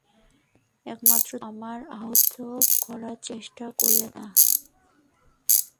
এইমাত্র তুমিও আমায় আহত করার চেষ্টা করলে না?